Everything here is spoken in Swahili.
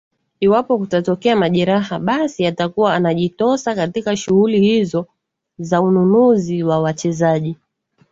iwapo kutatokea majeraha basi atakuwa anajitosa katika shughuli hizo za ununuzi wa wachezaji